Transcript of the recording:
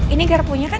ini garapunya kan